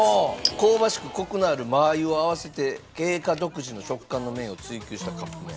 香ばしくコクのあるマー油を合わせて桂花独自の食感の麺を追求したカップ麺。